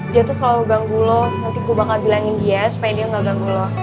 dia tuh selalu ganggu lo nanti ku bakal bilangin dia supaya dia nggak ganggu lo